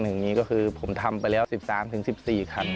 นี่ก็คือผมทำไปแล้ว๑๓๑๔ครั้ง